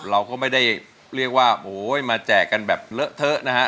เราก็ไม่ได้เรียกว่าโอ้ยมาแจกกันแบบเลอะเทอะนะฮะ